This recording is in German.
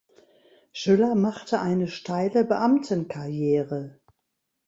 Schüller machte eine steile Beamtenkarriere.